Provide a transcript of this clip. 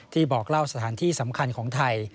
บอกเล่าสถานที่สำคัญของไทย